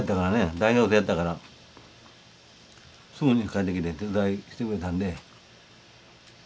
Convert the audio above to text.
大学生やったからすぐに帰ってきて手伝いしてくれたんで。